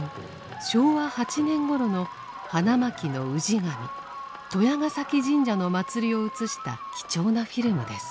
昭和８年頃の花巻の氏神鳥谷崎神社の祭りを写した貴重なフィルムです。